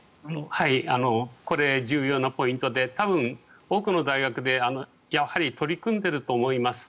これ、重要なポイントで多分多くの大学で取り組んでいると思います。